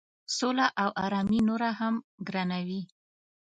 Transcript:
سوله او آرامي نوره هم ګرانوي.